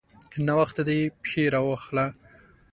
ناوخته دی؛ پښې راواخله.